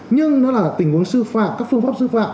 nhưng nó là tình huống sư phạm các phương pháp sư phạm